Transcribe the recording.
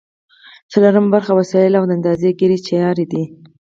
څلورمه برخه وسایل او د اندازه ګیری چارې دي.